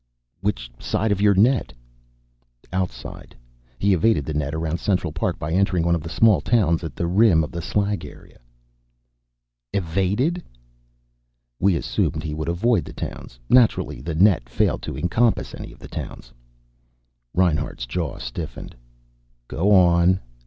"Which side of your net?" "Outside. He evaded the net around Central Park by entering one of the small towns at the rim of the slag area." "Evaded?" "We assumed he would avoid the towns. Naturally the net failed to encompass any of the towns." Reinhart's jaw stiffened. "Go on."